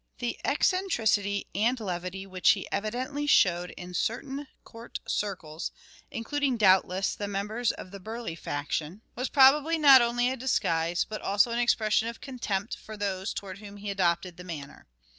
The eccentricity and levity which he evidently showed in certain court cirlces, including doubtless the members of the Burleigh faction, was probably not only a disguise, but also an expression of contempt for those towards whom he adopted the manner.